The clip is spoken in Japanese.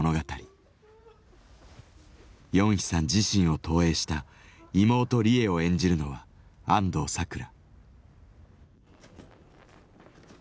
ヨンヒさん自身を投影した妹リエを演じるのは安藤サクラ。